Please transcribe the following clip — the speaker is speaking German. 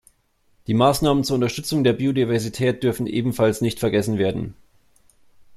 Die Maßnahmen zur Unterstützung der Biodiversität dürfen ebenfalls nicht vergessen werden.